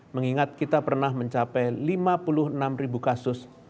mengingat kita pernah mencapai lima puluh enam ribu kasus